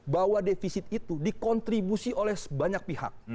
bahwa defisit itu dikontribusi oleh banyak pihak